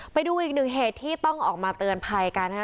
ไปดูอีกหนึ่งเหตุที่ต้องออกมาเตือนภัยกันนะคะ